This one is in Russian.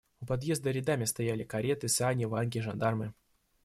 У подъезда рядами стояли кареты, сани, ваньки, жандармы.